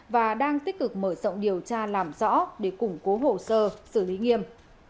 và đang tích cực mở rộng điều tra làm rõ để củng cố hồ sơ xử lý nghiêm